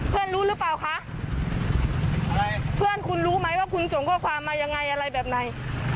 รู้หรือเปล่าคะอะไรเพื่อนคุณรู้ไหมว่าคุณส่งข้อความมายังไงอะไรแบบไหน